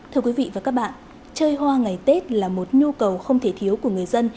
thưa quý vị và các bạn chơi hoa ngày tết là một nhu cầu không thể thiếu của người dân